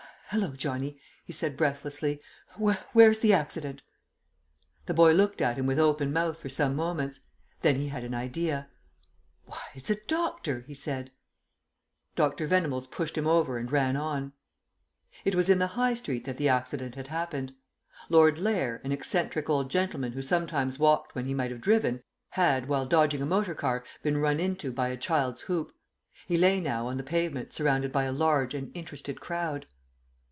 "Hallo, Johnny," he said breathlessly, "where's the accident?" The boy looked at him with open mouth for some moments. Then he had an idea. "Why, it's Doctor!" he said. Dr. Venables pushed him over and ran on.... It was in the High Street that the accident had happened. Lord Lair, an eccentric old gentleman who sometimes walked when he might have driven, had, while dodging a motor car, been run into by a child's hoop. He lay now on the pavement surrounded by a large and interested crowd.